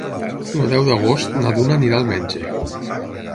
El deu d'agost na Duna anirà al metge.